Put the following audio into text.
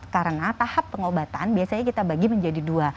karena tahap pengobatan biasanya kita bagi menjadi dua